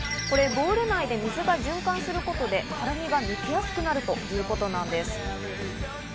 これボウル内で水が循環することで辛みが抜けやすくなるということなんです。